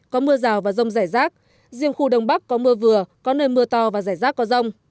có mưa rào và rông rải rác riêng khu đông bắc có mưa vừa có nơi mưa to và rải rác có rông